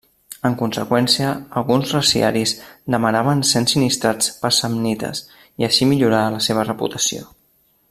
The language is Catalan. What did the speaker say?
En conseqüència, alguns reciaris demanaven ser ensinistrats per samnites i així millorar la seva reputació.